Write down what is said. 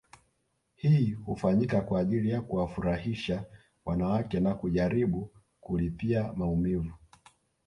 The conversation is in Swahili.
Hii hufanyika kwa ajili ya kuwafurahisha wanawake na kujaribu kulipia maumivu